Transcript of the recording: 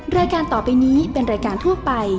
รายการต่อไปนี้เป็นรายการทั่วไป